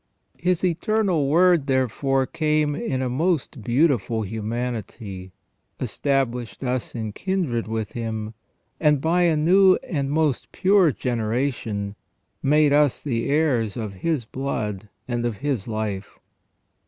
His Eternal Word therefore came in a most beautiful humanity, established us in kindred with Him, and by a new and most pure generation made us the heirs of His blood and of His life.